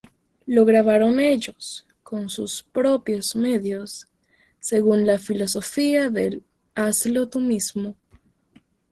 Lo grabaron ellos con sus propios medios, según la filosofía del "hazlo tú mismo".